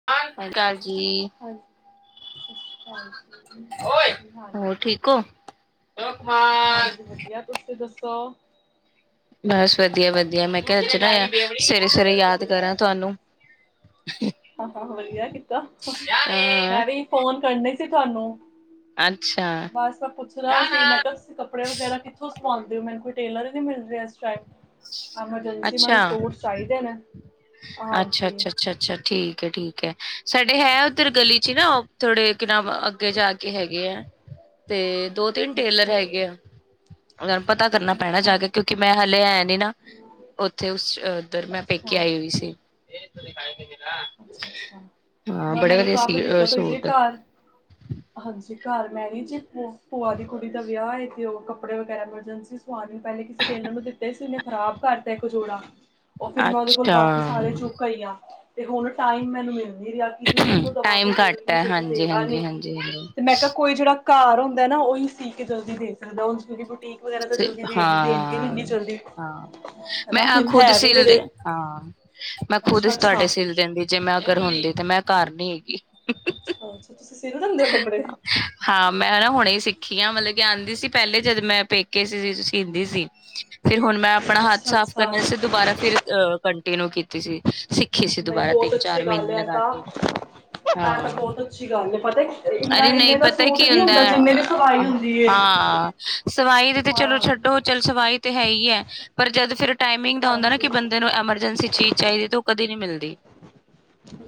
[unintelligible] ਜੀ ਸਸ਼੍ਰੀ ਕਾਲ ਜੀ, ਕੀ ਹਾਲ ਏ। ਹੋਰ ਠੀਕ ਹੋ? ਹਾਂਜੀ ਵਧੀਆ, [inaudible] ਤੁਸੀਂ ਦੱਸੋ। ਬਸ ਵਧੀਆ-ਵਧੀਆ ਮੈਂ ਕਿਆ ਅੱਜ ਨਾ ਆ ਸਵੇਰੇ-ਸਵੇਰੇ ਯਾਦ ਕਰਾਂ ਤੁਹਾਨੂੰ ਹਾਂ ਵਧੀਆ ਕੀਤਾ ਅ ਮੈਂ ਵੀ ਫੋਨ ਕਰਨੇ ਸੀ ਤੁਹਾਨੂੰ ਅੱਛਾ ਬਸ ਤਾਂ ਪੁੱਛਣਾ ਸੀ ਮੈਂ ਕਿਆ ਕੱਪੜੇ ਵਗੈਰਾ ਕਿ ਤੁਸੀਂ ਮੰਨਗ ਦੇ ਹੋ ਮੈਨੂੰ ਕੋਈ ਟੇਲਰ ਨਈ ਮਿਲ ਰਿਆ ਇਸ ਟਾਈਮ ਐਮਰਜੈਂਸੀ ਮੈਨੂੰ ਸੂਟ ਚਾਹੀਦੇ ਨੇ। ਹਾਂਜੀ। ਅੱਛਾ-ਅੱਛਾ-ਅੱਛਾ-ਅੱਛਾ ਠੀਕ ਏ ਠੀਕ ਠੀਕ ਹੈ ਸਾਡੇ ਹੈ ਉੱਧਰ ਗਲੀ 'ਚ ਨਾ ਓ ਥੋੜੇ ਕਿ ਨਾਮ ਅੱਗੇ ਜਾ ਕੇ ਹੈਗੇ ਹੈ। ਤੇ ਦੋ ਤਿੰਨ ਟੇਲਰ ਅੱਛਾ, ਹੈਗੇ ਆ ਉਹਨਾਂ ਨੂੰ ਪਤਾ ਕਰਨਾ ਪੈਣਾ ਅੱਛਾ, ਜਾ ਕੇ ਕਿਉਂਕਿ ਮੈਂ ਹਲੇ ਹੈ ਨਾ ਉੱਥੇ ਉਸ ਉਧਰ ਮੈਂ ਪੇਕੇ ਅੱਛਾ, ਆਈ ਹੋਈ ਸੀ। ਅੱਛਾ-ਅੱਛਾ ਹਾਂ ਮ ਬੜੇ ਮੈਨੂੰ ਵਧੀਆ ਕੰਮ ਸੀ ਦਿੱਤਾ ਤੁਸੀ ਸੂਟ ਘਰ ਹਾਂਜੀ ਘਰ ਮੈਂ ਨੀ ਜੇ ਭੂਆ ਦੀ ਕੁੜੀ ਦਾ ਵਿਆਹ ਤੇ ਓ ਕੱਪੜੇ ਵਗੈਰਾ ਐਮਰਜੈਂਸੀ ਸ ਹਾਂ ਪੈਲੇ ਕਿਸੇ ਟੇਲਰ ਨੂੰ ਦਿੱਤੇ ਸੀ ਉਹਨੇ ਖਰਾਬ ਕਰਤਾ ਇੱਕ ਜੋੜਾ ਓ ਫਿਰ ਮੈਂ ਉਹਦੇ ਕੋਲ ਅੱਛਾ। ਬਾਕੀ ਸਾਰੇ ਚੁੱਕ ਆਈ ਆਂ ਤੇ ਹੁਣ ਟਾਈਮ ਮੈਨੂੰ ਮਿਲ ਨ ਰਿਆ। ਇਧਰ ਕਿਨੂੰ ਦਵਾ ਟਾਈਮ ਕੋਈ ਟੇਲਰ ਘੱਟ ਇੰਨੀ ਹੈ ਜਲਦੀ ਹਾਂਜੀ, ਦੇਗਾ ਨਈ ਹਾਂਜੀ, ਹਾਂਜੀ, ਤੇ ਹਾਂਜੀ ਮੈਂ ਕਿਆ ਕੋਈ ਜੇੜਾ ਘਰ ਹੁੰਦਾ ਨਾ ਉਹੀ ਸੀ ਕੇ ਜਲਦੀ ਦੇ ਸਕਦਾ ਉਸਦੀ ਕੀ ਬੂਟੀਕ ਹਾਂ-ਹਾਂ ਹਨਾ ਮੈਂ ਫਿਰ ਹੈ ਖੁਦ ਵੀ ਸਿਲ ਮੇਰੇ ਦੀ ਹਾਂ। ਮੈਂ ਖੁਦ ਅੱਛਾ ਅੱਛਾ ਤੁਹਾਡੇ ਸਿਲ ਦਿੰਦੀ ਜੇ ਮੈਂ ਅਗਰ ਹੁੰਦੀ ਤੇ ਮੈਂ ਘਰ ਨਈ ਹੈਗੀ। ਅੱਛਾ-ਅੱਛਾ ਤੁਸੀਂ ਸਿਲ ਲੈਂਦੇ ਓ ਕਪੜੇ ਹਾਂ ਮੈਂ ਨਾ ਹੁਣੇ ਸਿੱਖੀ ਆ ਮਤਲਬ ਕਿ ਆਂਦੀ ਸੀ ਪੈਲੇ ਜਦ ਮੈਂ ਪੇਕੇ ਸੀ ਸੀਂਦੀ ਸੀ। ਤੇ ਫਿਰ ਹੁਣ ਮੈਂ ਆਪਣਾ ਹੱਥ ਅੱਛਾ ਸਾਫ਼ ਅੱਛਾ ਕਰਨੇ ਅਸਤੇ ਦੁਬਾਰਾ ਫਿਰ ਅ ਕੰਟੀਨਿਊ ਕੀਤੀ ਸੀ। ਸਿੱਖੀ ਸੀ ਨਹੀਂ ਦੁਬਾਰਾ ਬਹੁਤ ਤਿੰਨ ਚਾਰ ਅੱਛੀ ਗੱਲ ਮ੍ਹੀਨੇ ਹੈ ਲਗਾ ਤਾਂ ਕੇ ਇਹ ਤਾਂ ਹਾਂ। ਬਹੁਤ ਅੱਛੀ ਗੱਲ ਏ ਪਤਾ ਇੰਨਾ ਅਰੇ ਨਈ ਇੰਨੇ ਦਾ ਪਤਾ ਸੂਟ ਕੀ ਨਹੀਂ ਹੁੰਦਾ ਜਿੰਨੇ ਦੀ ਸਵਾਈ ਹੁੰਦੀ ਏ। ਹਾਂ। ਸਵਾਈ ਦੇ ਤੇ ਹਾਂ ਚਲੋ ਛੱਡੋ ਚੱਲ ਸਵਾਈ ਤੇ ਹੈ ਹੀ ਹੈ ਪਰ ਜਦ ਫਿਰ ਟਾਈਮਿੰਗ ਦਾ ਹੁੰਦਾ ਨਾ ਹਾਂਜੀ ਕਿ ਬੰਦੇ ਨੂੰ ਐਮਰਜੈਂਸੀ ਚੀਜ਼ ਚਾਹੀਦੀ ਤੇ ਓ ਕਦੇ ਨਈ ਮਿਲਦੀ।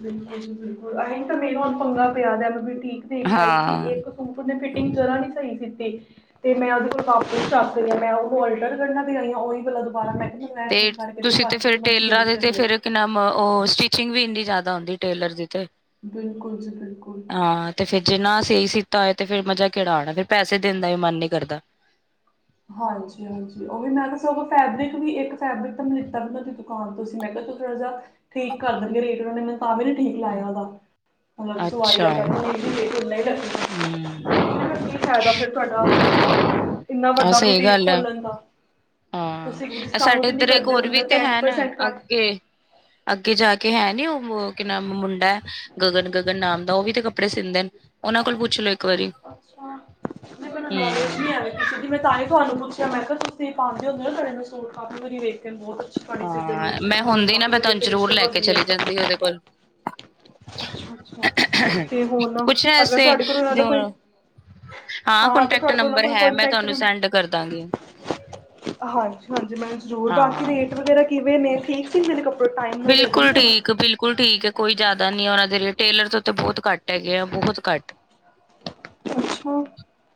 ਬਿਲਕੁਲ ਜੀ ਬਿਲਕੁਲ ਅ ਤਾਂ ਮੇ ਹੁਣ ਪੰਗਾ ਪਿਆ ਦ ਮ ਵੀ ਠੀਕ ਦੇਖ ਕੇ ਆਈ ਸੀ ਹਾਂ ਇੱਕ ਸੂਟ ਦੀ ਫਿਟਿੰਗ ਜਰਾ ਨੀ ਸਈ ਸੀ ਕੀਤੀ। ਤੇ ਮੈਂ ਉਹਦੇ ਕੋਲ ਕਾਪੀ ਚੱਕ ਰਈ ਹਾਂ ਮੈਂ ਓ ਅਲਟਰ ਕਰਨਾ ਦੇ ਆਈ ਉਹੀ ਮਲਬ ਦੁਬਾਰਾ ਮੈਂ ਕਿਆ ਮੈਂ ਤੇ ਠੀਕ ਕਰਕੇ ਬਾਕੀ ਤੋਂ ਮੈਨ ਸੂ ਤੇ ਮ ਓ ਸਟਿਚਿੰਗ ਵੀ ਇੰਨੀ ਜਾਦਾ ਹੁੰਦੀ ਟੇਲਰ ਦੀ ਤੇ ਬਿਲਕੁਲ ਜੀ ਬਿਲਕੁਲ ਹਾਂ ਤੇ ਫਿਰ ਜੇ ਨਾ ਸਈ ਸੀਤਾ ਹੋਇ ਤੇ ਫਿਰ ਮਜ਼ਾ ਕੇੜਾ ਆਣਾ ਫਿਰ ਪੈਸੇ ਦੇ ਦਾ ਮਨ ਨਈ ਕਰਦਾ। ਹਾਂਜੀ-ਹਾਂਜੀ ਓ ਵੀ ਮੈਂ ਕਿਆ ਫੈਬਰਿਕ ਵੀ ਇੱਕ ਫੈਬਰਿਕ ਤਾਂ ਮੈਂ ਲਿੱਤਾ ਵੀ ਹਾਂ ਤੁਸੀਂ ਮੈਂ ਕਿਆ ਤੂੰ ਥੋੜ੍ਹਾ ਜਿਹਾ ਠੀਕ ਕਰ ਦਿੰਗੇ ਰੇਟ ਉਹਨਾਂ ਨੇ ਭਾਵੇੇ ਨੇ ਠੀਕ ਲਾਇਆ ਉਹਦਾ ਮਤਲਬ ਸਵਾਈ [unintelligible] ਦਾ ਅੱਛਾ ਹਮ ਬੈਠ ਰੱਖ ਮੈਂ ਕਿਆ ਕੀ ਫਾਇਦਾ ਫਿਰ ਤੁਹਾਡਾ ਇੰਨਾ ਵੱਡਾ ਆਹ ਸਹੀ ਬੁਟੀਕ ਗੱਲ ਹੈ ਖੋਲਣ ਦਾ ਤੁਸੀਂ ਹਾਂ ਡਿਸਕਾਊਂਟ ਈ ਨਈ ਕਰਦੇ ਬੰਦਾ ਟੈਨ ਪਰਸੈਂਟ ਘੱਟ ਕਿ ਅੱਗੇ ਜਾ ਕੇ ਹੈ ਨੀ ਓ ਕੀ ਨਾਮ ਮੁੰਡਾ। ਗਗਨ-ਗਗਨ ਨਾਮ ਦਾ ਓ ਵੀ ਤੇ ਕੱਪੜੇ ਸਿੰਦੇ ਨੇ ਉਹਨਾਂ ਕੋਲ ਪੁੱਛ ਲਓ। ਅੱਛਾ ਨਈ ਕੋ ਨੌਲੇਜ ਹੂੰ ਨੀ ਆਵੇ। ਮੈਂ ਤਾ ਹੀ ਤੁਹਾਨੂੰ ਪੁੱਛਿਆ ਮੈਂ ਕਿਆ ਤੁਸੀਂ ਪਾਂਦੇ ਹੁੰਦੇ ਨਾ ਸੂਟ ਕਾਫੀ ਵਰੀ ਵੇਖਣ ਬੋਤ [inaudible] ਹਾਂ ਕਿ ਉਹਦੇ ਕੋਲ ਤੇ ਹੁਣ ਪੁੱਛਣਾ ਅਗਰ ਐਸੇ ਤੁਆਡੇ ਕੋਲ ਓਨਾਂ ਦਾ ਕੋਈ ਹਾਂ ਅਗਰ ਕੋਂਟੈਕਟ ਤੁਹਾਡੇ ਕੋਲ ਨੰਬਰ ਹੈ ਮੈਂ ਤੁਆਨੂੰ ਸੈਂਡ ਕਰਦਾਂਗੀ। ਹਾਂਜੀ-ਹਾਂਜੀ ਮੈ ਜਰੂਰ ਬਾਕੀ ਹਾਂ ਰੇਟ ਵਗੈਰਾ ਕਿਵੇਂ ਨੇ, ਠੀਕ ਸੀ ਮੇਰੇ ਕੱਪੜ [unintelligible] ਬਿਲਕੁਲ ਠੀਕ, ਬਿਲਕੁਲ ਠੀਕ। ਕੋਈ ਜਾਦਾ ਨੀ ਆ ਓਨਾਂ ਦੇ ਲੇ ਟੇਲਰ ਤੋਂ ਤੇ ਬੋਹੋਤ ਘੱਟ ਹੈਗੇ ਆ, ਬੋਹੋਤ ਘੱਟ। ਅੱਛਾ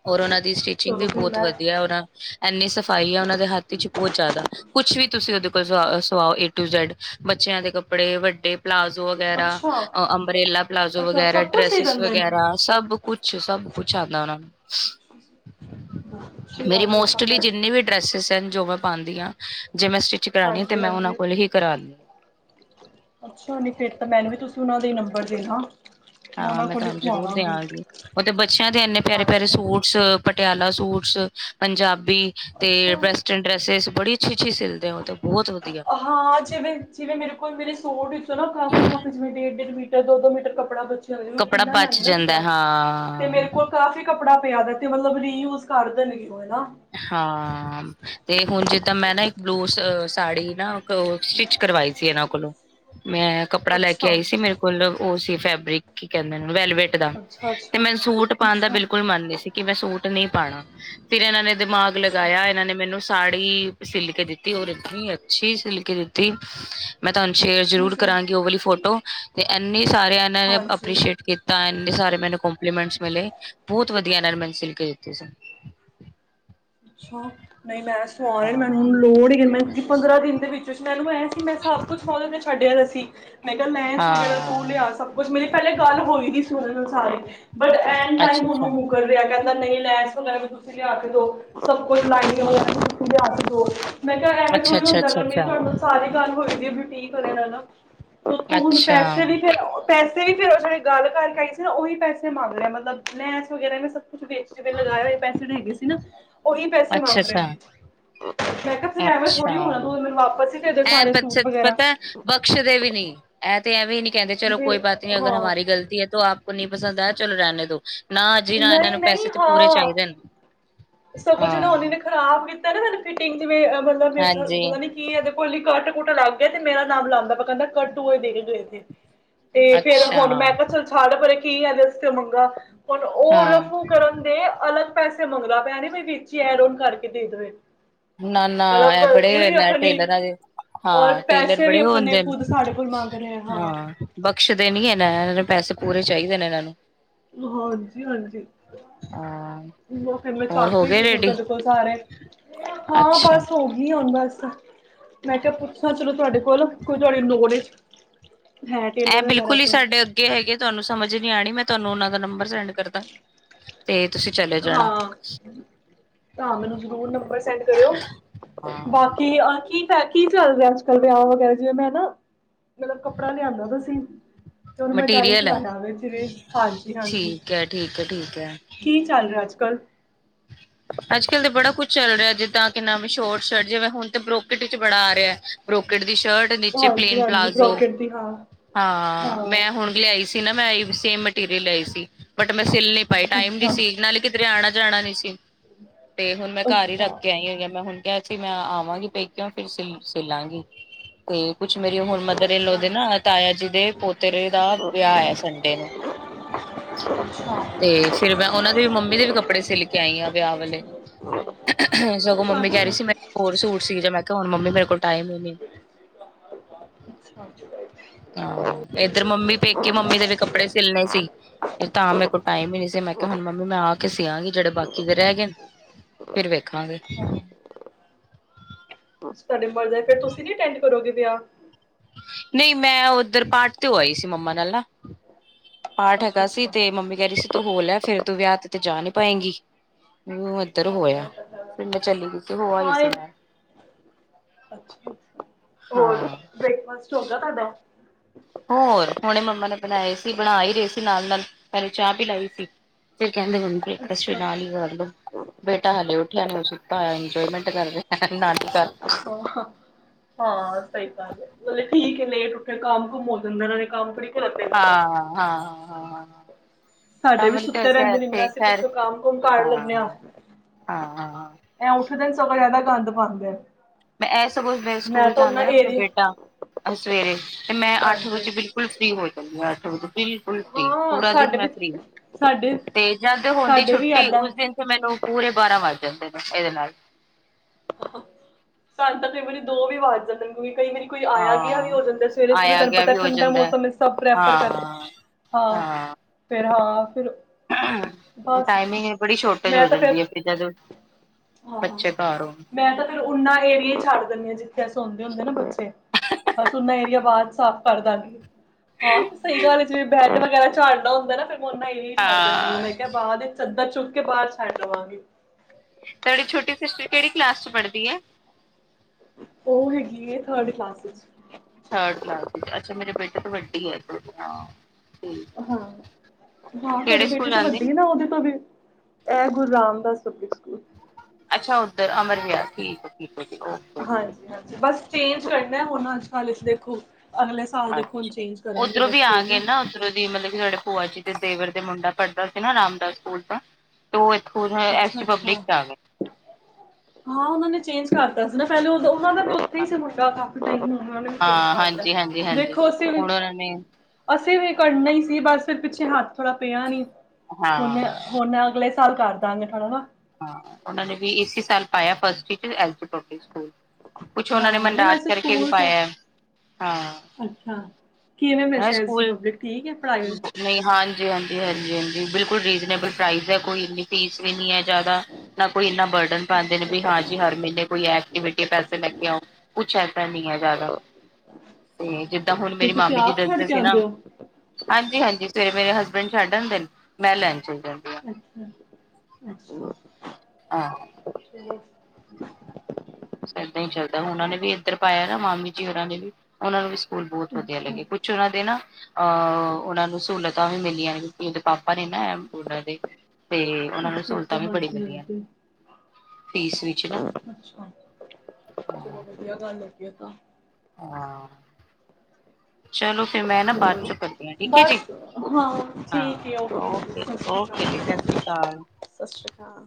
ਔਰ ਓਨਾਂ ਦੀ ਸਟਿਚਿੰਗ ਵੀ ਚਲੋ ਫਿਰ ਬੋਹੋਤ ਮੈਂ ਵਧੀਐ। ਓ ਨਾ ਐਨੀ ਸਫ਼ਾਈ ਐ ਓਨਾਂ ਦੇ ਹੱਥ ਇੱਚ ਬੋਤ ਜਾਦਾ। ਕੁਛ ਵੀ ਤੁਸੀ ਓਦੇ ਕੋਲ ਸੁਆ ਸੁਵਾਓ, ਏ ਟੂ ਜ਼ੈਡ ਬੱਚੇਆਂ ਦੇ ਕੱਪੜੇ, ਵੱਡੇ ਪਲਾਜ਼ੋ ਵਗੈਰਾ, ਅੱਛਾ ਅ ਅੰਬਰੇਲਾ ਪਲਾਜ਼ੋ ਅੱਛਾ ਵਗੈਰਾ, ਸਭ ਕੁਛ ਸਹੀ ਡ੍ਰੈਸਿਸ ਦਿੰਦੇ ਨੇ ਵਗੈਰਾ, ਸਭ ਕੁਛ, ਸਭ ਕੁਛ ਆਂਦੈ ਓਨਾਂ ਨੂੰ। ਬਹੁਤ ਅੱਛੀ ਮੇਰੀ ਗੱਲ ਆ ਤਾਂ ਮੋਸਟਲੀ ਫਿਰ ਜਿੰਨੀ ਵੀ ਡਰੈਸਿਸ ਜੋ ਮੈਂ ਪਾਂਦੀ ਆਂ, ਜੇ ਮੈਂ ਸਟਿਚ ਕਰਾਨੀ ਤੇ ਹਾਂਜੀ ਮੈਂ ਓਨਾਂ ਹਾਂਜੀ ਕੋਲ ਹੀ ਕਰਾਂ ਅੱਛਾ, ਨੀ ਫੇਰ ਤਾਂ ਮੈਨੰ ਵੀ ਤੁਸੀ ਉਨਾਂ ਦੇ ਨੰਬਰ ਦੇਣਾ ਹਾਂ ਉਹਨਾਂ ਮੈਂ ਕੋਲ ਹੀ ਤੁਆਨੰ ਜਰੂਰ ਸਵਾਵਾਂਗੀ ਦਿਆਂਗੀ। ਓ ਤੇ ਬੱਚੇਆਂ ਦੇ ਏਨੇ ਪਿਆਰੇ-ਪਿਆਰੇ ਹਾਂਜੀ ਸੂਟ ਸ, ਪਟਿਆਲਾ ਸੂਟਸ, ਪੰਜਾਬੀ ਤੇ ਅੱਛਾ ਵੈਸਟਰਨ ਡਰੈਸਿਸ ਬੜੀ ਅੱਛੀ-ਅੱਛੀ ਸਿਲਦੇ ਉ ਤੇ ਬੋਤ ਵਧੀਆ ਹਾਂ ਜਿਵੇਂ, ਜਿਵੇਂ ਮੇਰੇ ਕੋਲ ਮੇਰੇ ਸੂਟ ਵਿੱਚੋਂ ਨਾ ਕਾਫੀ-ਕਾਫੀ ਜਿਵੇਂ ਡੇਢ-ਡੇਢ ਮੀਟਰ, ਦੋ-ਦੋ ਮੀਟਰ ਕੱਪੜਾ ਬ ਜਦੋਂ ਮੈਂ ਕੱਪੜਾ ਖੁੱਲਾ ਲਿਆਨੀ ਬਚ ਆ ਨਾ ਜਾਂਦਾ ਕੱਪੜਾ ਤੇ ਮੇਰੇ ਹਾਂ ਕੋਲ ਕਾਫੀ ਕੱਪੜਾ ਪਿਆ ਦੈ ਤੇ ਮਤਲਬ ਰੀਯੂਜ ਕਰਦੇ ਨੇਗੇ ਓ ਨਾ। ਹਾਂ ਤੇ ਹੁਣ ਜਿੱਦਾਂ ਮੈਂ ਨਾ ਇੱਕ ਬਲੂ ਸ ਸਾੜੀ ਨਾ ਕ ਸਟਿਚ ਕਰਵਾਈ ਸੀ ਏਨਾਂ ਕੋਲੋਂ ਮੈਂ ਕੱਪੜਾ ਲੈ ਕੇ ਅੱਛਾ। ਆਈ ਸੀ ਮੇਰੇ ਕੋਲ ਓ ਸੀ ਫੈਬਰਿਕ, ਕੀ ਕੈਂਦੇ ਨੇ ਵੈਲਵੇਟ [unintelligible] ਅੱਛਾ ਤੇ ਅੱਛਾ। ਮੈਨੰ ਸੂਟ ਪਾਨ ਦਾ ਅੱਛਾ। ਬਿਲਕੁਲ ਮਨ ਨੀ ਸੀ ਕਿ ਮੈਂ ਸੂਟ ਨੀ ਪਾਣਾ ਫਿਰ ਏਨਾਂ ਨੇ ਦਿਮਾਗ ਅੱਛਾ ਲਗਾਇਆ ਏਨਾਂ ਨੇ ਮੇਨੂੰ ਸਾੜੀ ਸਿਲ ਕੇ ਦਿੱਤੀ ਔਰ ਇਤਨੀ ਅੱਛੀ ਸਿਲ ਕੇ ਦਿੱਤੀ ਮੈਂ ਤੁਆਨੰ ਸ਼ੇਅਰ ਜ਼ਰੂਰ ਤੁਸੀਂ ਕਰਾਂਗੀ ਓ ਵਾਲੀ ਫੋਟੋ ਤੇ ਐਨੀ ਸਾਰਿਆਂ ਐਨਾਂ ਨੇ ਅਪ ਹਾਂਜੀ। ਅਪਰੀਸ਼ੇਟ ਕੀ ਤਾਂ ਏ ਨੇ ਸਾਰੇ ਮੇਨੂੰ ਕੋਂਪਲੀਮੈਂਟਸ ਮਿਲੇ ਬੋਤ ਵਧੀਆ ਐਨਾਂ ਨੇ ਮੈਨੂੰ ਸਿਲ ਕੇ ਦਿੱਤੇ ਸਨ। ਅੱਛਾ, ਨਈ ਮੈਂ ਸੁਵਾਏ ਮੈਨੂੰ ਹਾਂ ਲੋੜ ਹੀ ਨਹੀ ਪੰਦਰਾਂ ਦਿਨ ਦੇ ਵਿੱਚ ਸ਼ ਮੈਨੂੰ ਐਂ ਸੀ ਮੈਂ ਸਭ ਕੁੱਛ [unintelligible] ਦੇ ਛੱਡ ਆਏ ਸੀ। ਮੈਂ ਕਿਆ ਮੈਂ ਇਸ ਨੂੰ [unintelligible] ਫੋਨ ਹਾਂ, ਲਿਆ ਸਭ ਕੁਛ ਮੇਰੀ ਪਹਿਲੇ ਗੱਲ ਹੋਈ ਦੀ ਸੀ ਓਦੇ ਨਾਲ ਸਾਰੀ। ਬਟ ਐਂਨ ਟਾਈਮ ਹੂਨ ਅੱਛਾ-ਅੱਛਾ, ਓ ਮੁਕਰ ਗਿਐ ਕੈਂਦੈ ਨਈ ਲੈਸ ਵਗੈਰਾ ਤੁਸੀ ਲਿਆ ਕੇ ਦੋ। ਸਭ ਕੁਝ ਲਾਇਨਿੰਗ ਵਗੈਰਾ ਵੀ ਹਾਂ, ਤੁਸੀ ਲਿਆ ਕੇ ਦੇਓਗੇ। ਮੈਂ ਕੇਆ ਐਵੇਂ ਥੋੜ੍ਹੀ ਅੱਛਾ-ਅੱਛਾ, ਹੁੰਦੈ ਫੇਰ ਮੇਰੀ ਅੱਛਾ-ਅੱਛਾ, ਤੁਆਨੂੰ ਸਾਰੀ ਗੱਲ ਹੋਈ ਦੀ ਏ ਬਯੁਟੀਕ ਵਗੈਰਾ ਨਾਲ ਔਰ ਤੂੰ ਹੁਣ ਅੱਛਾ। ਪੈਸੇ ਵੀ ਫੇਰ ਓ ਪੈਸੇ ਵੀ ਫੇਰ ਓ ਜੜੇ ਗੱਲ ਕਰਕੇ ਆਈ ਸੀ ਨਾ ਓਹੀ ਪੈਸੇ ਮੰਗ ਲੈ ਮਤਲਬ ਲੈਸ ਵਗੈਰਾ ਵੀ ਸਭ ਕੁਛ ਵੇਸਟ ਵੇ ਲਗਾਏ ਹੋਏ ਪੈਸੇ ਵੀ ਹੈਗੇ ਸੀ ਨਾ ਓਹੀ ਪੈਸੇ ਮੰਗ ਰੇ ਅੱਛਾ-ਅੱਛਾ, ਆਂ। ਮੈਂ ਕਿਆ ਫੇਰ ਐਵੇਂ ਅੱਛਾ, ਥੋੜੀ ਹੋਨੈ ਤੂੰ ਮੈਨੂੰ ਵਾਪਸ ਈ ਐ ਪੱਛਤ ਪਤੈ ਬਖਸ਼ਦੇ ਵੀ ਨੀ ਐ ਤੇ ਐਂਵੇ ਨੀ ਕੈਂਦੇ ਚਲੋ ਕੋਈ ਫਿਰ ਬਾਤ ਨੀ ਅਗਰ ਹਾਂ ਹਮਾਰੀ ਗਲਤੀ ਹੈ ਤੋ ਆਪਕੋ ਨਈ ਪਸੰਦ ਆਯਾ ਚਲੋ ਰਹਿਣੇ ਦੋ। ਨਾ ਜੀ ਨਾ ਐਨਾਂ ਨੂੰ ਨਹੀਂ ਪੈਸੇ ਨਹੀਂ ਤੇ ਪੂਰੇ ਹਾਂ ਚਾਈਦੇ ਨ, ਹਾਂ। ਖਰਾਬ ਕੀਤੈ ਨਾ ਮੈਨੂੰ ਫਿਟਿੰਗ ਜਿਵੇਂ ਅ ਵੀ ਮਤਲਬ ਵਿੱਚ ਹਾਂਜੀ। ਪਤਾ ਨੀ ਕੀ ਏਦੇ ਕੋਲ ਈ ਕੱਟ-ਕੁੱਟ ਲੱਗ ਗਿਐ ਤੇ ਮੇਰਾ ਨਾਮ ਲਾਂਦਾ ਪਿਐ ਕੈਂਦਾ ਕੱਟ ਹੁਏ ਦੇ ਕੇ ਗਏ ਥੇ। ਤੇ ਫੇਰ ਅੱਛਾ, ਹੁਣ ਮੈਂ ਕਿਆ ਚੱਲ ਛੱਡ ਪਰੇ ਕੀ ਐਦੇ ਅਸਤੇ ਮੰਗਾ। ਹੁਣ ਓ ਹਾਂ, ਰਫੂ ਕਰਨ ਦੇ ਅਲੱਗ ਪੈਸੇ ਮੰਗਦਾ ਪਿਐ ਐ ਨੀ ਵੀ ਵਿੱਚ ਈ ਐਡ ਓਨ ਕਰਕੇ ਭੇਜ ਦਵੇ। ਨਾ-ਨਾ ਐ ਬੜੇ ਨੈ ਆਪਣੀ ਟੇਲਰਾਂ ਦੇ ਹਾਂ, ਔਰ ਟੇਲਰ ਪੈਸੇ ਵੀ ਬੜੇ ਓ ਆਪਣੇ ਹੁੰਦੇ ਨ, ਖੁਦ ਸਾਡੇ ਕੋਲ ਮੰਗ ਰਹੇ ਹਾਂ। ਬਖਸ਼ਦੇ ਨੀ ਐਨਾਂ ਐਂ ਨੂੰ ਪੈਸੇ ਪੂਰੇ ਚਾਈ ਦੇ ਨੇ ਏਨਾਂ ਨੂੰ। ਹੋਰ, ਕੀ ਹਾਲ ਜੇ? ਹਾਂ। ਔ ਫਿਰ ਮੈਂ ਹੋਰ ਚੱਕ ਹੋ ਆਈ ਗਏ ਸੀ ਸੂਟ, ਰੈਡੀ? ਏਦੇ ਕੋਲ ਸਾਰੇ ਹਾਂ ਅੱਛਾ। ਬਸ ਹੋ ਨਈ ਹੁੰਦਾ ਇਸ ਤਰਾਂ, ਮੈਂ ਕਿਹਾ ਪੁੱਛਾ ਚਲੋ ਤੁਹਾਡੇ ਕੋਲ ਕੋਈ ਤੁਹਾਡੀ ਨੋ ਰੇਜ ਹੈਂ ਟੇਲਰ, ਵਗੈਰਾ ਤੇ ਕਿਹਾ ਈ ਏ, ਤੁਹਾਨੂੰ ਸਮਝ ਨੀ ਆਉਣੀ, ਮੈਂ ਤੁਹਾਨੂੰ ਉਹਨਾਂ ਦਾ ਨੰਬਰ ਸੈਂਡ ਕਰ ਦਿੱਤਾ ਤੇ ਤੁਸੀਂ ਚਲੇ ਜਾਣਾ। ਹਾਂ। ਤਾਂ ਮੈਨੂੰ ਜ਼ਰੂਰ ਨੰਬਰ ਸੈਂਡ ਕਰਿਓ, ਹਾਂ। ਬਾਕੀ ਅਸੀਂ ਕੀ ਚੱਲ ਰਿਹਾ ਅੱਜ- ਕੱਲ ਵਿਆਹ ਵਗੈਰਾ ਜਿਵੇਂ, ਮੈਂ ਨਾ ਮਤਲਬ ਕੱਪੜਾ ਲਿਆਦਾ ਤਾਂ ਸੀ। ਏ ਮੈਂ ਦਾਈ ਚ ਮਟੀਰੀਅਲ ਹੈ ਲਿਆ ਹੋਵੇ, ਜਿਵੇਂ ਹਾਂਜੀ -ਹਾਂਜੀ ਠੀਕ ਹੈ ਠੀਕ ਹੈ -ਠੀਕ ਹੈ। ਕੀ ਚੱਲ ਰਿਹਾ ਅੱਜ- ਕੱਲ੍ਹ ਅੱਜ- ਕਲ ਤੇ ਬੜਾ ਕੁੱਛ ਚੱਲ ਰਿਹਾ ਜਿੱਦਾਂ ਕਿ, ਨ ਵੀ ਸ਼ੋਰਟ -ਸ਼ਰਟ ਜਿਵੇਂ ਹੁਣ ਤਾਂ ਬਰੋਕੇਟ, ਵਿਚ ਬੜਾ ਆ ਰਿਹਾ ਬਰੋਕੇਟ ਦੀ ਸ਼ਰਟ, ਨੀਚੇ ਹਾਂਜੀ ਪਲੇਨ ਹਾਂਜੀ ਪਲਾਜ਼ੋ, ਬਰੋਕਟ ਦੀ ਹਾਂ ਹਾਂ ਮੈਂ ਹੁਣ ਲਿਆਈ ਸੀ। ਤੇ ਨਾ ਮੈਂ ਸੇਮ ਮਟੀਰੀਅਲ ਲਿਆਈ ਸੀ, ਬਟ ਮੈਂ ਸਿਲ ਨ ਪਾਈ ਟਾਈਮ ਨ ਅੱਛਾ ਸੀ ਨਾਲੇ ਕਿ ਕਿੱਧਰੇ ਆਣਾ -ਜਾਣਾ ਨੀ ਸੀ ਤੇ, ਹੁਣ ਮੈਂ ਘਰ ਹੀ ਅੱਛਾ ਰੱਖ ਕੇ ਆਈ ਹੋਈਾਂ ਮੈਂ ਹੁਣ ਕਿਹਾ ਸੀ ਮੈਂ ਆਵਾਂਗੀ, ਪੈਕਿਿਓ ਫਿਰ ਸ ਸਲਾਂਗੀ ਤੇ ਕੁਛ ਮੇਰੀ ਹੁਣ ਅੱਛਾ ਮਦਰ ਇਹ ਲੋ ਅੱਛਾ ਦੇ, ਨਾ ਤਾਇਆ ਜੀ ਦੇ ਪੋਤਰੇ ਦਾ ਵਿਆਹ ਸੰਡੇ ਨੂੰ ਅੱਛਾ ਤੇ ਫਿਰ ਮੈਂ, ਉਹਨਾਂ ਦੇ ਵੀ ਮੰਮੀ ਦੇ ਵੀ ਕੱਪੜੇ, ਸਿੱਲ ਕੇ ਆਈ ਆ ਵਿਆਹ ਵਾਲੀ, ਸਗੋਂ ਅੱਛਾ ਮੰਮੀ ਕਹਿ ਤੂੰ ਮੈਨੂੰ ਇੱਕ ਹੋਰ ਸੂਟ, ਸੀਂ ਦੇ, ਮੈਂ ਕਿਹਾ ਹੁਣ ਮੰਮੀ ਮੇਰੇ ਕੋਲ ਟਾਈਮ ਹੀ ਨਈ ਅੱਛਾਜੀ। ਹਾਂ, ਇੱਧਰ ਮੰਮੀ ਪੇਕੇ ਮੰਮੀ ਦੇ ਵੀ, ਕੱਪੜੇ ਸਿਲਣੇ ਸੀ। ਤਾਂ ਮੇਰੇ ਕੋਲ ਟਾਈਮ ਹੀ ਨਹੀਂ ਸੀ, ਮੈਂ ਕਿਹਾ ਹੁਣ ਮੰਮੀ ਮੈਂ ਆ ਕੇ ਸੀ ਆ ਗੀ, ਜਿਹੜੇ ਬਾਕੀ ਦੇ ਰਹਿ ਗਏ ਨੇ ਫਿਰ ਵੇਖਾਂਗੇ ਹਾਂ ਤੁਹਾਡੇ ਮਰ ਜਾਏ, ਤੇ ਤੁਸੀਂ ਨੀ ਅਟੈਂਡ ਕਰੋਗੇ ਵਿਆਹ? ਨਹੀਂ ਮੈਂ ਉੱਧਰ, ਪਾਠ ਤੇ ਆਈ ਸੀ ਮੰਮਾ ਨਾਲ ਨਾ ਪਾਠ ਅੱਛਾ ਹੈਗਾ ਸੀ, ਅੱਛਾ। ਤੇ ਮੰਮੀ ਕਹਿ ਰਹੀ ਸੀ ਤੂੰ ਹੋ ਲੈ ਫਿਰ ਤੂੰ ਵਿਆਹ ਤੇ- ਤੇ ਜਾ ਨਹੀਂੀ ਪਾਏਂਗੀ ਇੱਧਰ ਹੋਆ, ਹਾਂ ਇਹ ਤਾਂ ਫਿਰ ਹੋ, ਆਈ ਸੀ ਮੈਂ ਅ ਹੋਰ ਹਾਂ। ਬ੍ਰੇਕਫਾਸਟ, ਹੋਗਾ ਤੁਹਾਡਾ? ਹੋਰ, ਹੁਣੇ ਮੰਮਾ ਨੇ ਬਣਾਏ ਸੀ, ਬਣਾ ਹੀ ਰਹੇ ਸੀ ਨਾਲ -ਨਾਲ ਪਹਿਲੇ ਚਾਹ ਪਿਲਾਈ ਸੀ। ਕੀ ਕਹਿਦੇ ਹੋਣ ਗੇ, ਏਸੇ ਅੱਛਾ ਨਾਲ ਹੀ ਕਰ ਲਉ ਬੇਟਾ ਹਾਲੇ ਉੱਠਿਆ ਨਈ, ਉਹ ਸੁੱਤਾਹੋਇਆ ਇੰਜੋਹੋਇਏਮੈਂਟ, ਕਰ ਰਿਹਾ ਨਾਸ਼ਤਾ ਹਾਂ। ਹਾਂ ਸਹੀ ਗੱਲ ਏ, ਮਤਲਬ ਠੀਕ ਹੈ ਲੇਟ ਉੱਠੇ, ਕੰਮ-ਕੁਮ ਹੋ ਜਾਂਦੇ, ਕੰਮ ਕਈ ਘਰ ਦੇ ਹਾਂ -ਹਾਂ, ਹ, ਹਾਂ ਤਾ ਸਾਡੇ ਵੀ ਹੀ ਤੇ ਸੁੱਤੇ ਦਸਿਆ, ਰਹਿੰਦੇ ਨੇ ਇੰਨਾ ਫੇਕ ਅਸੀਂ ਫਾਇਰ ਪਿੱਛੋਂ ਕੰਮ ਕੁਮ ਕਰ ਹਾ ਹਾਂ, ਲੈਂਦੇ ਹਾਂ, ਹਾਂ ਐ ਉੱਠਦੇ ਨੇ, ਸਗੋਂ ਜ਼ਿਆਦਾ ਗੰਦ ਪਾਉਂਦੇ ਆ ਮੈਂ ਇਹ ਸਗੋਂ ਸਕੂਲ ਜਾਂਦਾ ਨਾ ਮੇਰਾ ਏਰੀਏ ਬੇਟਾ, ਸਵੇਰੇ ਤੇ ਮੈਂ ਅੱਠ ਹਾਂਜੀ ਵਜੇ ਬਿਲੁ ਫੁਲ ਫ੍ਰੀ ਹੋਏ ਪਏ, ਵਿਆਹ ਤੋਂ ਬਿਲਕੁਲ ਫਰੀ, ਹਾਂ ਪੂਰਾ ਦਿਨ ਸਾਡੇ ਵੀ ਮੈਂ ਫਰੀ, ਸਾਡੇ ਤੇ ਜਦ ਹੋਦੀ ਸਾਡੇ ਵੀ ਛੁੱਟੀ ਏਦਾਂ ਉਸ ਦਿਨ ਤੇ ਮੈਨੂੰ ਪੂਰੇ ਬਾਰਾਂ ਵੱਜ ਜਾਂਦੇ ਨੇ, ਇਹਦੇ ਨਾਲ ਸਾਨੂੰ ਤਾਂ, ਕਈ ਵਾਰੀ ਦੋ ਵੀ ਵੱਜ ਜਾਂਦੇ ਨੇ, ਕਿਉਂਕਿ ਕਈ ਵਾਰੀ ਕੋਈ ਆਇਆ ਗਿਆ ਵੀ ਹਾਂ ਹੋ ਜਾਂਦਾ ਸਵੇਰੇ ਸਵੇਰੇ ਆਇਆ ਤੁਹਾਨੂੰ ਗਿਆ ਪਤਾ ਵੀ ਹੋ ਠੰਡਾ ਜਾਂਦਾ ਮੌਸਮ ਸਭ ਪ੍ਰੈਫਰ ਕਰ ਹਾਂ ਹਾਂ ਫਿਰ ਹਾਂ ਫਿਰ ਬਸ ਟਾਈਮਿੰਗ ਐ ਬੜੀ ਛੋਟੇਜ ਮੈਂ ਹੋ ਤਾਂ ਫਿਰ ਜਾਂਦੀ ਐ [unintelligible] ਹਾਂ, ਮੈਂ ਤਾਂ ਫੇਰ ਓਨਾਂ ਏਰੀਏ ਛੱਡ ਦਿੰਨੀ ਆ ਜਿੱਥੇ ਸੌਂਦੇ ਹੁੰਦੇ ਨਾ ਬੱਚੇ। ਬਸ ਓਨਾਂ ਏਰੀਆ ਬਾਅਦ ਚ ਸਾਫ਼ ਕਰਦਾਂਗੇ। ਹਾਂ ਤੇ ਸਹੀ ਗੱਲ ਐ ਜਿਵੇਂ ਬੈਡ ਵਗੈਰਾ ਝਾੜਨਾ ਹੁੰਦਾ ਨਾ ਫਿਰ। ਮੈਂ ਓਨਾਂ ਏਰੀਆ ਛੱਡ ਦਿੰਦੀ ਆ ਹਾਂ ਮੈਂ ਕਿਹਾ ਬਾਅਦ ਚੱਦਰ ਚੁੱਕ ਕੇ ਬਾਹਰ ਛੰਡ ਦੇਵਾਂਗੀ। ਤੁਹਾਡੀ ਛੋਟੀ ਸਿਸਟਰ ਕਿਹੜੀ ਕਲਾਸ ਚ ਪੜ੍ਹਦੀ ਐ। ਓ ਹੈਗੀ ਐ ਥਰਡ ਕਲਾਸ ਵਿੱਚ। ਥਰਡ ਕਲਾਸ ਵਿੱਚ ਅੱਛਾ ਮੇਰੇ ਬੇਟੇ ਤੋਂ ਵੱਡੀ ਐ ਥੋੜੀ ਹਾਂ। ਠੀਕ ਹਾਂ ਹਾਂ, ਤੁਹਾਡੇ ਕਿਹੜੇ ਸਕੂਲ ਬੇਟੇ ਤੋਂ ਜਾਂਦੇ ਵੱਡੀ ਆ ਨਾ ਉਹਦੇ ਤੋਂ ਵੀ ਇਹ ਗੁਰੂ ਰਾਮਦਾਸ ਪਬਲਿਕ ਸਕੂਲ ਅੱਛਾ ਉੱਧਰ ਅਮਰ [unintelligible] ਠੀਕ ਠੀਕ। ਓਕੇ ਹਾਂਜੀ ਹਾਂਜੀ ਬਸ ਚੇਂਜ ਕਰਨਾ ਹੁਣ ਅੱਜ ਕੱਲ੍ਹ ਵਿੱਚ ਦੇਖੋ ਅਗਲੇ ਸਾਲ ਦੇਖੋ ਹੁਣ ਅੱਛਾ। ਚੇਂਜ ਕਰਾਂਗੇ ਉੱਧਰੋਂ ਏਦਾ ਵੀ ਆ ਸਕੂਲ ਗਏ ਨਾ। ਉੱਧਰੋਂ ਮਤਲਬ ਕਿ ਸਾਡੇ ਭੂਆ ਜੀ ਦੇ ਦੇਵਰ ਦੇ ਮੁੰਡਾ ਪੜ੍ਹਦਾ ਸੀ ਨਾ ਰਾਮਦਾਸ ਸਕੂਲ ਤਾਂ। ਤੇ ਓ ਏਥੋਂ ਹੈ ਐਸ ਅੱਛਾ ਡੀ ਪਬਲਿਕ ਅੱਛਾ ਕਰ ਰਿਹਾ। ਹਾਂ ਉਹਨਾਂ ਨੇ ਚੇਂਜ ਕਰਤਾ ਸੀ ਨਾ ਪਹਿਲਾਂ ਉਹਨਾਂ ਦਾ। ਫ੍ਰੀ ਸੀ ਮੁੰਡਾ ਕਾਫੀ ਟਾਈਮ ਉਹਨੇ ਵੀ ਚੇਂਜ ਹਾਂ ਕਰਤਾ ਹਾਂਜੀ ਹਾਂਜੀ ਹਾਂਜੀ ਦੇਖੋ ਅਸੀਂ ਵੀ ਹੁਣ ਉਹਨਾਂ ਨੇ ਅਸੀਂ ਵੀ ਕਰਨਾ ਹੀ ਸੀ ਬਸ ਫਿਰ ਪਿੱਛੇ ਹੱਥ ਥੋੜਾ ਪਿਆ ਨੀ ਹਾਂ ਹੁਨ ਹੁਣ ਅਗਲੇ ਸਾਲ ਕਰਦਾਂਗੇ ਥੋੜ੍ਹਾ ਨਾ ਉਹਨਾਂ ਨੇ ਵੀ ਇਸੇ ਸਾਲ ਪਾਇਆ ਫਸਟ ਵਿੱਚ ਐਸ ਡੀ ਪਬਲਿਕ ਸਕੂਲ। ਕੁਛ ਉਹਨਾਂ ਨੇ ਹਾਂ ਨਹੀਂ ਮਨਰਾਜ ਵੈਸੇ ਕਰਕੇ ਵੀ ਸਕੂਲ ਤਾਂ ਪਾਇਆ ਹਾਂ। ਅੱਛਾ ਕਿਵੇਂ ਵੈਸੇ ਐੱਸ ਡੀ ਸਕੂਲ ਪਬਲਿਕ ਠੀਕ ਐ ਪੜ੍ਹਾਈ ਵਿੱਚ। ਨਹੀਂ ਹਾਂਜੀ ਹਾਂਜੀ ਹਾਂਜੀ ਹਾਂਜੀ ਬਿਲਕੁਲ ਰੀਜਨੇਬਲ ਪ੍ਰਾਈਜ਼ ਐ ਕੋਈ ਐਨੀ ਫੀਸ ਵੀ ਨੀ ਐ। ਜ਼ਿਆਦਾ ਨਾ ਕੋਈ ਇੰਨਾ ਬਰਡਨ ਪਾਂਦੇ ਨੇ ਅੱਛਾ ਵੀ ਹਾਂਜੀ ਹਰ ਮਹੀਨੇ ਕੋਈ ਐਕਟੀਵਿਟੀ ਪੈਸੇ ਲੈ ਕੇ ਆਓ। ਕੁਛ ਏਦਾ ਨੀ ਹੈਗਾ ਤੇ ਜਿੱਦਾਂ ਹੁਣ ਮੇਰੀ ਫਿਰ ਤੁਸੀਂ ਮਾਮੀ ਜੀ ਆਪ ਛੱਡ ਦੱਸਦੇ ਕੇ ਸੀ ਨਾ। ਆਉਂਦੇ ਹੋ ਹਾਂਜੀ ਹਾਂਜੀ, ਸਵੇਰੇ ਮੇਰੇ ਹਸਬੈਂਡ ਛੱਡ ਆਂਦੇ ਨੇ ਮੈਂ ਲੈਣ ਚਲੀ ਜਾਂਦੀ। ਹਾਂ ਅੱਛਾ ਅੱਛਾ। ਹਾਂ। ਅੱਛਾ। ਇਦਾਂ ਹੀ ਚੱਲਦਾ ਉਹਨਾਂ ਨੇ ਵੀ ਇੱਧਰ ਪਾਇਆ ਨਾ ਮਾਮੀ ਜੀ ਹੋਰਾਂ ਨੇ ਵੀ। ਉਹਨਾਂ ਨੂੰ ਵੀ ਸਕੂਲ ਬਹੁਤ ਵਧੀਆ ਅੱਛਾ ਲੱਗੇ ਕੁਛ ਉਹਨਾਂ ਦੇ ਨਾ। ਅਹ ਉਹਨਾਂ ਨੂੰ ਸਹੂਲਤਾਂ ਵੀ ਮਿਲੀਆਂ ਨੇ ਕਿਉਂਕਿ ਉਹਦੇ ਪਾਪਾ ਨੇ ਨਾ ਉਹਨਾਂ ਦੇ ਤੇ ਉਹਨਾਂ ਨੂੰ ਅੱਛਾ ਸਹੂਲਤਾਂ ਅੱਛਾ ਵੀ ਬੜੀਆਂ ਹਾਂਜੀ ਮਿਲੀਆਂ ਹਾਂਜੀ ਫੀਸ ਵਿੱਚ ਨਾ। ਅੱਛਾ ਚਲੋ ਹਾਂ ਵਧੀਆ ਗੱਲ ਹੋਗੀ ਓ ਤਾਂ। ਹਾਂ। ਚਲੋ ਫਿਰ ਮੈਂ ਨਾ ਬਾਅਦ ਹੋਰ ਚੋਂ ਕਰ ਦੀ ਆ ਠੀਕ ਆ ਜੀ ਬਸ ਹਾਂ ਹਾਂ ਠੀਕ ਹੈ ਓਕੇ ਸਤਿ ਸ਼੍ਰੀ ਓ ਕੇ ਜੀ ਸਤਿ ਅਕਾਲ ਸ਼੍ਰੀ ਅਕਾਲ। ਸਤਿ ਸ਼੍ਰੀ ਅਕਾਲ।